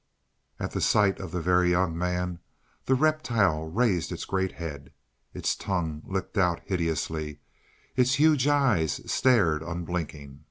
At sight of the Very Young Man the reptile raised its great head. Its tongue licked out hideously; its huge eyes stared unblinking.